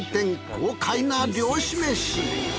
豪快な漁師飯。